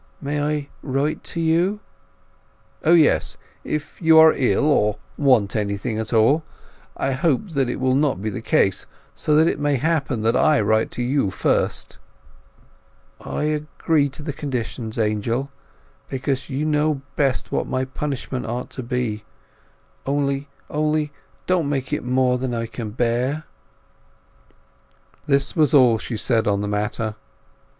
"May I write to you?" "O yes—if you are ill, or want anything at all. I hope that will not be the case; so that it may happen that I write first to you." "I agree to the conditions, Angel; because you know best what my punishment ought to be; only—only—don't make it more than I can bear!" That was all she said on the matter.